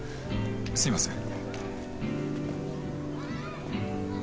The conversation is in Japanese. すいません。